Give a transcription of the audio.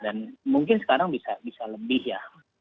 dan mungkin sekarang bisa lebih ya